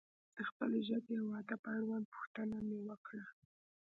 د خپلې ژبې و ادب اړوند پوښتنه مې وکړه.